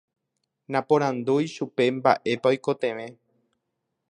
Naporandúi chupe mba'épa oikotevẽ.